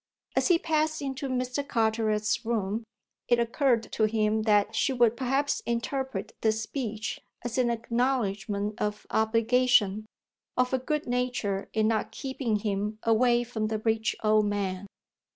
As he passed into Mr. Carteret's room it occurred to him that she would perhaps interpret this speech as an acknowledgment of obligation of her good nature in not keeping him away from the rich old man.